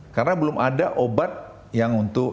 karena belum ada obat yang untuk